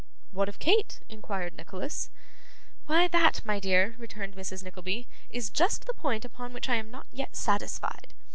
'What of Kate?' inquired Nicholas. 'Why that, my dear,' returned Mrs. Nickleby, 'is just the point upon which I am not yet satisfied.